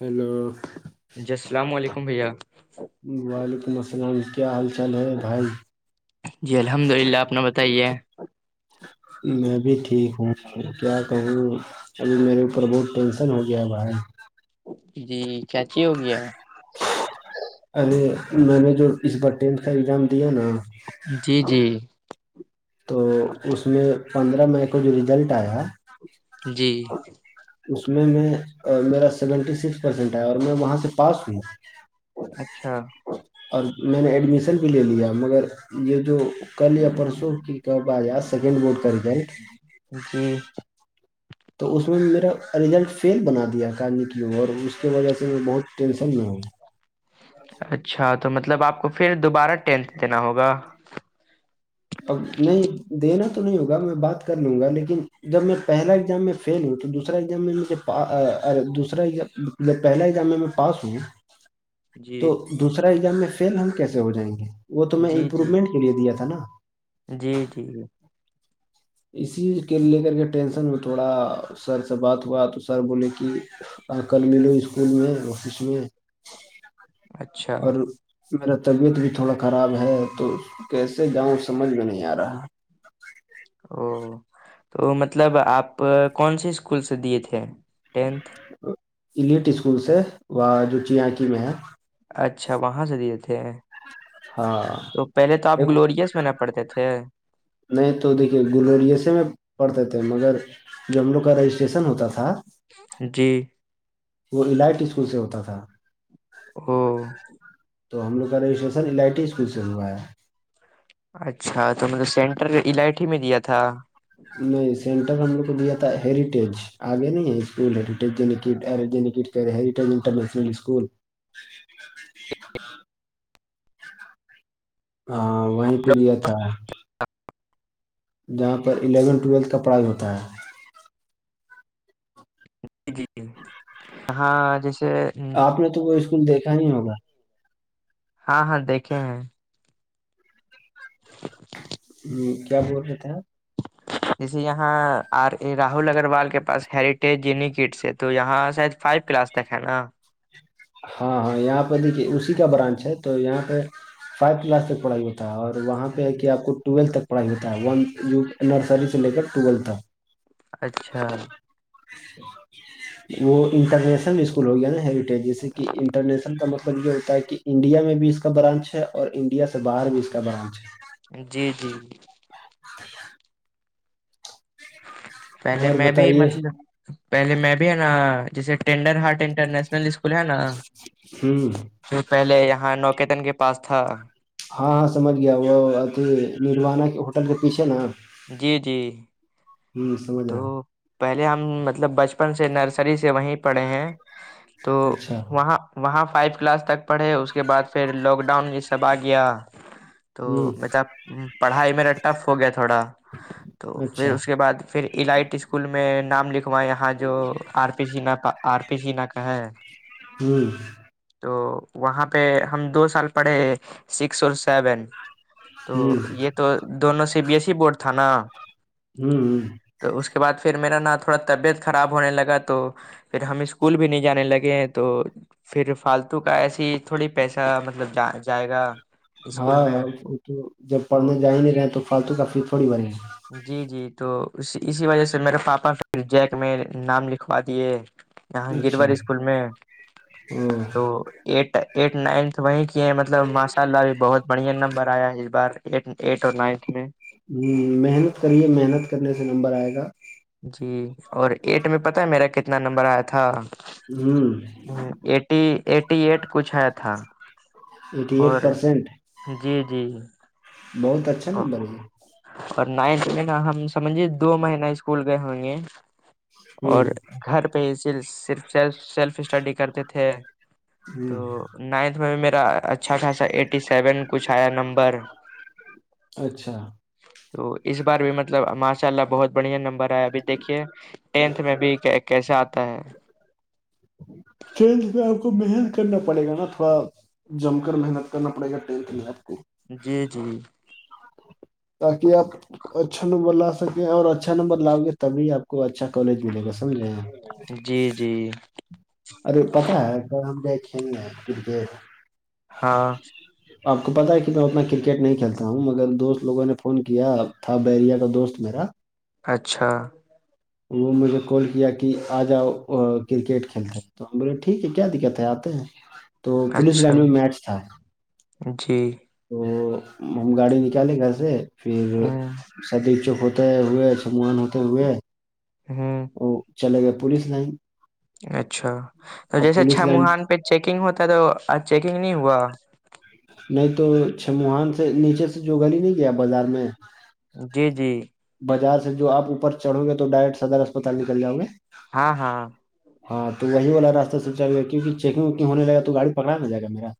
hello جی السلام علیکم بھیا وعلیکم السلام کیا حال چال ہے بھائی جی الحمد للہ آپ نے بتائیے میں بھی ٹھیک ہوں کیا کہوں ابھی میرے اوپر بہت ٹینشن ہو گیا بھائی جی کچی ہو گی اے میں نے جو اس بار ٹینتھ کا ایگزام دیا نا جی جی تو اس میں پندرہ مئی کو جو رزلٹ آیا جی اس میں میں میرا سیونٹی سکس پرسینٹ آیا اور میں وہاں سے پاس ہوئی اچھا اور میں نے ایڈمیشن بھی لے لیا مگر یہ جو کر لیا پرسوں کی کب آیاس سیکنڈ بورڈ کر د جی تو اس میں میرا رزلٹ فیل بنا دیا کمی کیی اور اس کی وجہ سے میں بہت ٹینشن نہ ہو اچھا تو مطلب آپ کو پھر دوبارہ ٹینتھ دینا ہوگا اب نہیں دینا تو نہیں ہوگا میں بات کر لوں گا لیکن جب میں پہلا ایگزام میں فیل ہووں تو دوسرا ایگزام میں مجھےا دوسازامب پہلا ایگزام میں پاس ہوں جی تو دوسرا ایگزام میں فیل ہم کیسے ہو جائیں گے وہ تو میں جی امپرومنٹ کے لیے دیا تھا نا جی جی جی اسی کے لے کر کے ٹینشن میں تھوڑا سر سے بات ہوا تو سر بولے کہ اور کل ملو اسکول میں آفس میں اچھا اور میرا طبیعت بھی تھوڑا خراب ہے تو اس کیسے جاؤں سمجھ میں نہیں آ رہا او تو مطلب آپ کون سے اسکول سے دیے تھے ٹینتھ ایلیٹ اسکول سے وہ جو چیاکی میں ہے اچھا وہاں سے دی تھ ہیں ہاں تو پہلے تو آپ ایک گلورس میں ن پڑھتے تھے نہیں تو دیکھیے گلریے میں پڑتے تھے مگر جملو کا رجسٹریشن ہوتا تھا جی وہ الائٹ اسکول سے ہوتا تھا ہاں تو ہم لوگ کا رجسٹریشنل آئی ٹی اسکول سے ہوا ہے اچھا تو مب سینٹر الائٹھی میں دیا تھا نہیں سینٹر ہم لوگ کو دیا تھا ہیریٹیج آگے نہیں ہے اسکول ہیریٹیجینٹ ہیریٹیج انٹر نشنل اسکول ہاں وہیںی پہ لیا تھا جہاں پر الیونھ ٹویلتھ کا پڑھائی ہوتا ہے جی جی ہاں جیسے آپ نے تو وہ اسکول دیکھا نہیں ہوگا ہاں ہاں دیکھے ہیں کیا بول رہے تھے آپ جیسے یہاں آر راہل اگروال کے پاس ہیریٹیج جنی کٹس ہے تو یہاں شاید فائیو کلاس ہے نا ہاں ہاں یہاں پہ دیکھیے اسی کا برانچ ہے تو یہاں پہ فائیو کلاس تک پڑھائی ہو تا ہے اور وہاں پہ ہے کہ آپ کو ٹویلتھ تک پڑھائی ہوتا ہے ون نرسری سے لے کر ٹویلتھ تک اچھا وہ انٹرنیشنل اسکول ہو گیا نا ہیریٹیج جیسے کہ انٹرنیشنل کا مطلب یہ ہوتا ہے کہ انڈیا میں بھی اس کا برانچ ہے اور انڈیا سے باہر بھی اس کا برانچ ہے جی جی [inaudible] ہے پہلے اور میں بھی بتائیے مطلب پہلے میں بھی ہے نا جیسے ٹینڈر ہاٹ انٹرنیشنل اسکول ہے نا ہممم جو پہلے یہاں نوکیتن کے پاس تھا ہاں ہاں سمجھ گیا وہ اھی نروانا ہوٹل کے پیچھے نا جی جی [unintelligible] تو پہلے ہم مطلب بچپن سے نرسری سے وہیں پڑھے ہیں تو اچھا وہاں وہاں فائیو کلاس تک پڑھے اس کے بعد پھر لاک ڈاؤن یہ سب آ گیا تو ہوں مطلب پڑھائی میرا ٹف ہو گیا تھوڑا تو پھر اچھا اس کے بعد پھر الائٹ اسکول میں نام لکھو ہمارے یہاں جو آر پی جینا آر پی جینا کا ہے ہوں تو وہاں پہ ہم دو سال پڑھے سکس اور سیون تو ہوں یہ تو دونوں C B S E board تھا نا ہمم ہممم تو اس کے بعد پھر میرا نا تھوڑا طبیعت خراب ہونے لگا تو پھر ہم اسکول بھی نہیں جانے لگے ہیں تو پھر فالتو کا ایسی تھوڑی پیسہ مطلب جا جائے گا اسکول ہاں میں وہ تو جب تو پڑھنے جا ہی نہیں رہے ہیں تو فالتو کا فیس تھوڑی بھریں گے جی جی تو اس اسی وجہ سے میرے پاپا پھر جیک میں نام لکھوا دیے یہاں گر اچھا والی اسکول میں او تو ایٹ ایٹ نائنتھ وہیں کی ہے مطلب ماشاء اللہ ا بھی بہت بڑھیا نمبر آیا ہے اس بار ایٹ اور نائنت میں ہمم محنت کریے محنت کرنے سے نمبر آئے گا جی اور ایٹ میں پتا ہے میرا کتنا نمبر آیا تھا ہممم ایٹی ایٹی ایٹ کچھ ہے تھا ایٹی ایٹ اور پرسینٹ جی جی بہت اچھا نمبر ہے یہ اور نائنتھ میں نا ہم سمجے دو مہینا اسکول گئے ہو گے اور گھر پہ ہی صرف سیلف اسٹڈی کرتے تھے ہ تو نائنتھ میں بھی میرا اچھا خاصا ایٹی سیون کچھ آیا نمبر اچھا تو اس بار بھی مطلب ماشاء اللہ بہت بڑھیا نمبر ابھی دیکھیے ٹینتھ میں بھی کیسے آتا ہے کھیل میں آپ کو محنت کرنا پڑے گا نا تھوڑا جم کر محنت کرنا پڑے گا ٹیل کے ل کے جی جی تاکہ آپ اچھا نمبر لا سکیں اور اچھا نمبر لاؤ گے تبھی آپ کو اچھا کالج ملے گا سمج لے جی جی ارے پتا ہے ہم ل کیا نہیں ہے پ گ ہاں آپ کو پتاہ ہے کہ میں اتنا کرکٹ نہیں کھیلتا ہوں مگر دوست لوگوں نے فون کیا تھا بیریا کا دوست میرا اچھا وہ مجھے کال کیا کہ آ جاؤ کرکٹ کھیلتے ہیں تو ہم بولے ٹھیک ہے کیا دقت ہے آتے ہیں تو پولیس اچھا لائن میں میچ تھا جی تو ہم گاڑی نکالے گھر سے پھر ہوں سدیچک ہوتے ہوئے چوان ہوتے ہوئے ہوں ا چلے گئے پولیس لائن اچھا تو اب جیسے پولیس چھ لائن مہان پہ چیکنگ ہوتا تو چیکنگ نہیں ہوا نہیں تو چھموہان سے نیچے سے جو گلی نہیں گیا بازار میں جی جی بازار سے جو آ اوپر چڑھو گے تو ڈائریکٹ سدر اسپتال نکل جاؤ گے ہاں ہاں ہاں تو وہی والا راست س سے چل گیا کیون کہ چیکگ وکنگ ہونےگا تو گاڑی پکڑا جائےا میرا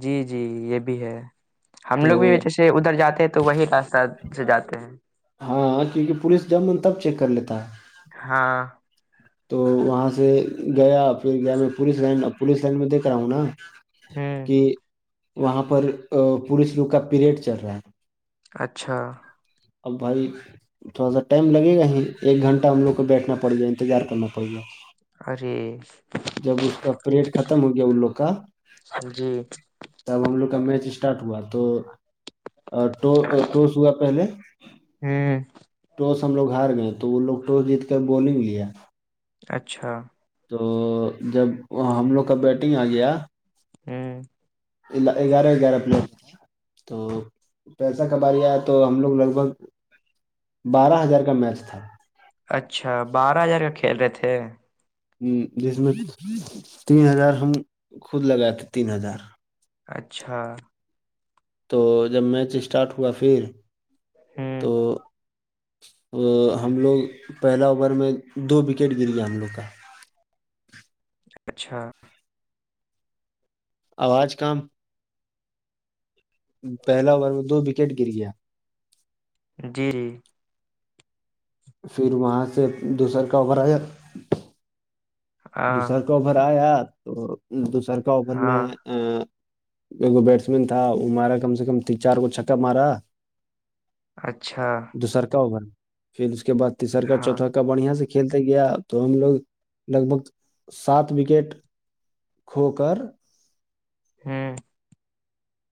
جی جی یہ بھی بھی ہے ہم تو لوگ بھی جیسے ادھر جاتے ہیں تو وہی راستہ سے جاتے ہیں ہاں کیونکہ پولیس جب ہے تب چیک کر لیتا ہے ہاں تو وہاں سے گیا پھر گیا میں پولیس لائن اپ پولیس لائن م کراؤناا ہ کہ وہاں پر پلیس لوگ کا پریڈ چل رہا تھا اچھا ا باری تھوڑا سا ٹائم لگے گا ہییں ایک گھنٹہ ہم لوگ کو بیٹھنا پڑے گا انتظار کرنا پڑے گا ار [unintelligible] جب اس کا پریٹ ختم ہو گیا ان لوگ کا جی تب ہم لوگ کا میچ اسٹارٹ ہوا تو ٹاس ہوا پہلے ہاں ٹاس ہم لوگ ہار گئے تو وہ لوگ ٹاس جیت کر بالنگ لیا اچھا تو جب ہم لوگ کا بیٹنگ آ گیا ہوں گیارہ گیارہ پلیٹ تو پیسہ ک باریا تو ہم لوگ لگ بھگ بارہ ہزار کا میچ تھا اچھا بارہ ہزار کا کھیل رہے تھے ہ جس میں تین ہزار ہم خود لگاتے تین ہزار اچھا تو جب میچ اسٹارٹ ہوا پھر ہوں تو ہم لوگ پہلا اوور میں دو وکٹ گر گیا ہم لوگ کا اچھا آواز کام پہلا اوور میں دو وکٹ گر گیا جی جی پھر وہاں سے دوسر کا رات ہاں دوسر کا اوور آیا تو دوسر کا اور میں ہاں ایک بیٹس مین تھا وہ مارا کم سے کم تین چار کو چھکا مارا اچھا دوسر کا اوور پھر اس کے بعد تیسر کا ہاں چوتھا کا بڑھیا سے کھیلتے گیا تو ہم لوگ لگ بھگ سات وکٹ کھو کر ہاں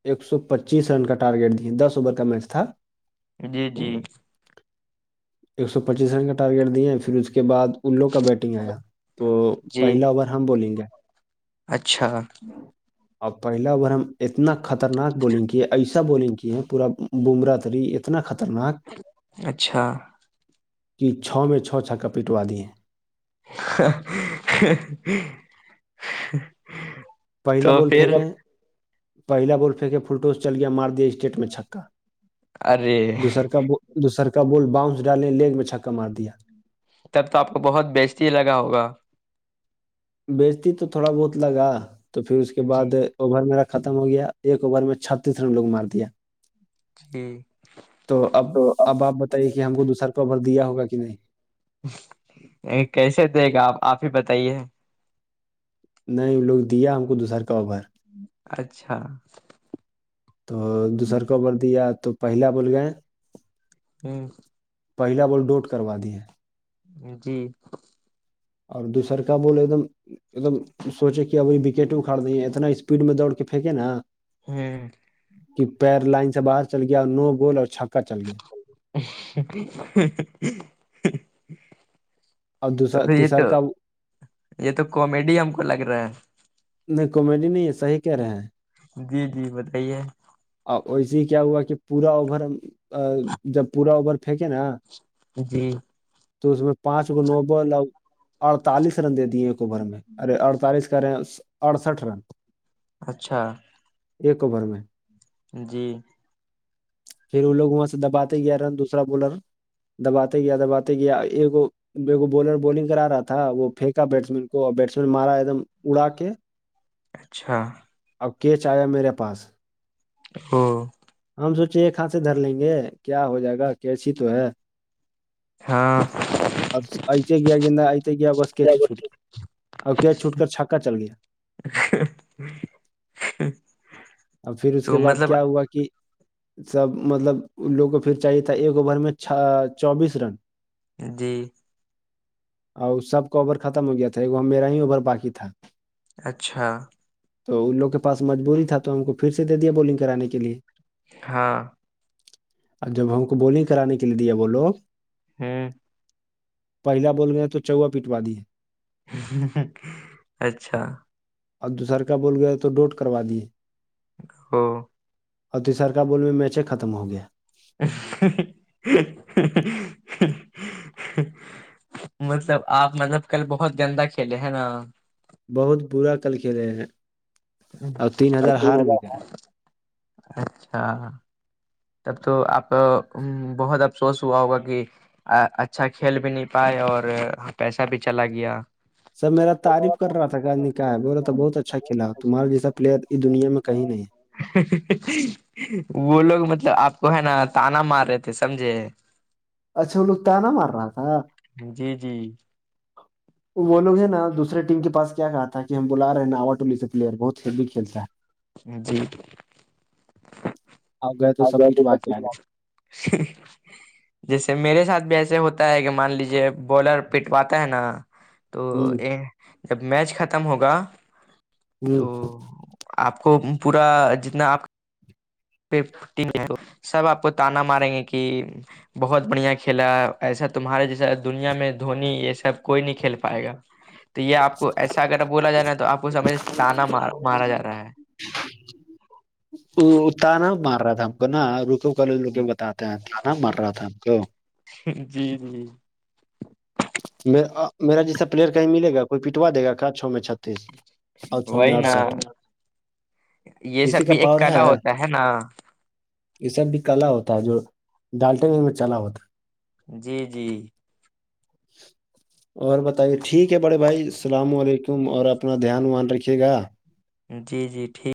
ایک سو پچیس رن کا ٹارگیٹ دیا دس اوور کا میچ تھا جی جی ایک سو پچیس رن کا ٹارگیٹ دیا پھر اس کے بعد اللو کا بیٹنگ آیا تو جی پہلا اوور ہم بولیں گے اچھا ہ اور پہلا بار ہم اتنا خطرناک بولنگ کی ہے ایسا بولنگ کیے ہیں پورا بمرہ تری اتنا خطرناک اچھا کہ چھ میں چھو چھا ک پیٹوا دی ہیں پہلا تو بال پھر پھینکے پہلا بال پھینکے فلٹوس چل گیا مار دیا اسٹیٹ میں چککا ارے دوسر کا دوسر کا بال باؤنس ڈالے لیگ میں چھکا مار دیا تب تو آپ کو بہت بیست ہی لگا ہوگا بیچتی تو تھوڑا بہت لگا تو پھر اس کے جی بعد اوور میرا ختم ہو گیا ایک اوور میں چھتیس رن لوگ مار دیا جی تو اب اب آپ بتائیے کہ ہم کو دوسر کو ابر دیا ہوگا کہ نہیں کیسے دے گا آپ آپ ہی بتائیے نہیں لوگ دیا ہم کو دوسر کا افھر اچھا تو دوسر کبر دیا تو پہلا بول گئے ہوں پہلا بال ڈوٹ کروا دیے جی اور دوسر کا بول ایک دم ایک دم سوچے کہ اب وکٹ اکھاڑ دی اتنا اسپیڈ میں دوڑ کے پھینکے نا ہوں کہ پیر لائن سے باہر چل گیا اور نو گول اور چھکا چل گیا اور تو دوسرا پھر یہ تو تیسر کا یہ تو کامیڈی ہم کو لگ رہا ہے نہیں کامیڈی نہیں ہے صحیح کہہ رہے ہیں جی جی بتائیے اور ویس ہی کیا ہوا کہ پورا اوور جب پورا اوور پھینکے نا جی تو اس میں پانچ کو نو بال اور اڑتالیس رن دیتے ایک اوورھر میں ارے اڑتالیس کریں اڑسٹھ رن اچھا ایک اوور میں جی پھر وہ لوگ وہاں سے دباتے گیا رن دوسرا بالر دباتے گیا دباتے گیا ایک بالر بولنگ کرا رہا تھا وہ پھینکا بیٹس مین کو اور بیٹسمین مارا ایک دم اڑا کے [inaudible] اچھا اب کیس آیا میرے پاس او ہم سوچے ایک ہاتھ سے دھر لیں گے کیا ہو جائے گا کیسی تو ہے ہاں اور ات گییا گن آئیت گییاگ اسکچ چھٹکی اور کیچ چھوٹ کر چھکا چل گیا ہاہ ہاہاہا اور پھر اس کے بعد کیا ہوا کہ سب مطلب ان لوگ کو پھر چاہیے تھا ایک اوور میں چوبیس رن جی اور سب کا اوور ختم ہو گیا تھا ایک وہاں میرا ہی اوور باقی تھا اچھا تو ان لوگ کے پاس مجبوری تھا تو ہم کو پھر سے دے دیا بولنگ کرانے کے لیے ہاں اور جب ہم کو بولنگ کرانے کے لیے دیا وہ لوگ ہمم پہلا بول گیا تو چوا پیٹوا دی ہے اچھا اور دوسر کا بول گیا تو ڈوٹ کروا دی ہمم اور تیسر کا بول میں میچے ہے ختم ہو گیا ھھھا مطلب آپ مطلب کل بہت گندہ کھیلے ہیں نا بہت برا کل کھیلے ہیں اچھا تب تو آپ بہت افسوس ہوا ہوگا کہ اچھا کھیل بھی نہیں پائے اور پیسہ بھی چلا گیا سب میرا تعریف کر رہا تھا کہ نکا بولا تو بہت اچھا کھیلا تمہارے جیسا پلیئر یہ دنیا میں کہیی نہیں ہے وہ لوگ مطلب آپ کو ہے نا تانا مار رہے تھے سمجھے اچھا وہ لوگ تانا مار رہا تھا جی جی وہ لوگ ہیں نا دوسرے ٹیم کے پاس کیا کہا تھا کہ ہم بلا رہے ہیں ناوٹولی سے پلیئر بہت ہیوی کھیلتا ہے جی آپ گئے تو سب پٹوا کے آ گئے ھھھھھا جیسے میرے ساتھ بھی ایسے ہوتا ہے کہ مان لیجے بالر پٹواتا ہے نا تو ہ جب میچ ختم ہوگا ہ تو آپ کو پورا جتنا آپ پہ سب آپ کو تانا ماریں گے کہ بہت بڑھیا کھیلا ایسا تمہارے جیسا دنیا میں دھونی یہ سب کوئی نہیں کھیل پائے گا تو یہ آپ کو ایسا اگر بولا جا رہا ہے تو آپ کو سمجھ تانا مارا جا رہا ہے وہ تانا مر رہا تھا ہم کو نا رکو کل اے لوگ کو بتاتے ہیں تانا مر رہا تھا ہم کو جی جی میرا جسے پلیئر کہیں ملے گا کوئی پٹوا دے گا کیا چھ میں چھتیس اور چھ میں وہی نا اڑسٹھ یہ سب کسی کا بھی ایک پاور کلا ہوتا ہے نا یہ سب بھی کلا ہوتا ہے جو ڈالتے ہو میں چلا ہوتا ہے جی جی [inaudible] اور بتائیے ٹھیک ہے بڑے بھائی السلام علیکم اور اپنا دھیان وان رکھیے گا جی جی ٹھیک